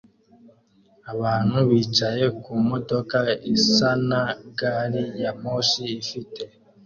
Abantu bicaye kumodoka isa na gari ya moshi ifite